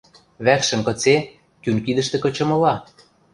Вӓкшӹм кыце, кӱн кидӹштӹ кычымыла?